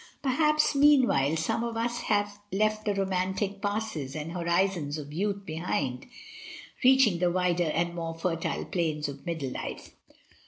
Perhaps meanwhile some of us have left the romantic passes and hori zons of youth behind, reaching the wider and more fertile plains of middle life.